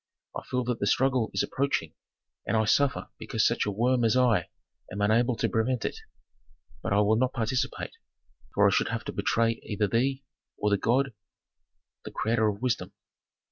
I feel that the struggle is approaching, and I suffer because such a worm as I am unable to prevent it. But I will not participate, for I should have to betray either thee, or the God, the creator of wisdom."